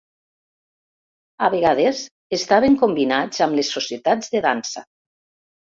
A vegades, estaven combinats amb les societats de dansa.